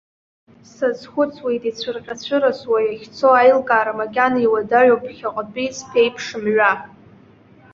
Сазхәыцуеит ицәырҟьа-цәырасуа, иахьцо аилкаара макьана иуадаҩу ԥхьаҟатәи сԥеиԥш мҩа.